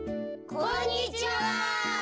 こんにちは！